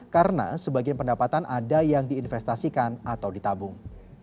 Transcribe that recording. karena sebagian pendapatan ada yang diinvestasikan atau ditabung